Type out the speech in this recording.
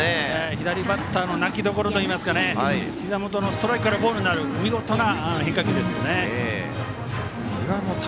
左バッターの泣きどころといいますかひざ元のストライクからボールになる見事な変化球ですよね。